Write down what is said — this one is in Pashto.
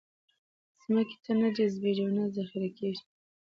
ځمکې ته نه جذبېږي او نه ذخېره کېږي.